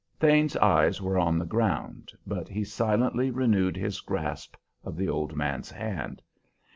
Thane's eyes were on the ground, but he silently renewed his grasp of the old man's hand.